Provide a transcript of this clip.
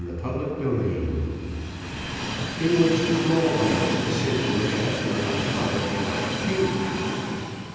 Chapter XIX In which Smallbones is sent to look after a pot of black paint.